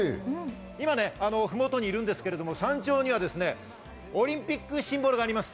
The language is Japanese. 今、麓にいるんですけど、山頂にはオリンピックシンボルがあります。